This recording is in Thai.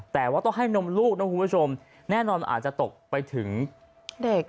แต่ว่าต้องให้นมลูกนะคุณผู้ชมแน่นอนมันอาจจะตกไปถึงเด็ก